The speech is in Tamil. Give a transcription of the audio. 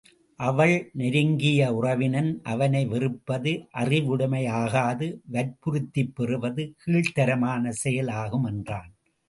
அவன் நெருங்கிய உறவினன் அவனை வெறுப்பது அறிவுடைமையாகாது வற்புறுத்திப் பெறுவது கீழ்த் தரமான செயல் ஆகும் என்றான்.